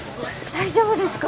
大丈夫ですか？